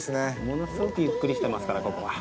物すごくゆっくりしてますから、ここは。